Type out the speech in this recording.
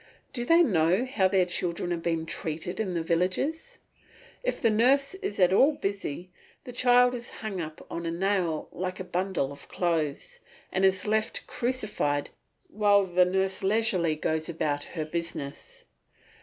Do they know how their children are being treated in the villages? If the nurse is at all busy, the child is hung up on a nail like a bundle of clothes and is left crucified while the nurse goes leisurely about her business.